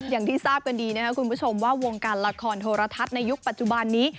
อย่างที่ทราบกันดีนะครับคุณผู้ชมว่าวงการละครโทรทัศน์ในยุคปัจจุบันนี้